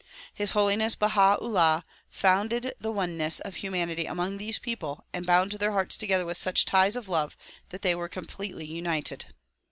His Holiness Baha 'Ullaii founded the oneness of humanity among these people and bound their hearts together with such ties of love that they were completely united.